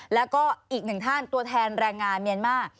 แล้วก็อีกหนึ่งท่านตัวแทนแรงงานเมียนมาร์